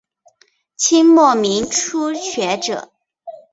清末民初学者。